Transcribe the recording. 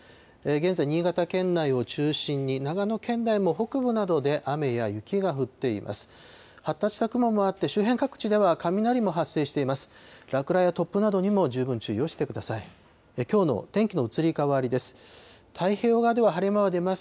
現在、新潟県内を中心に、長野県内も北部などで雨や雪が降っています。